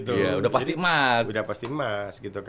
udah pasti emas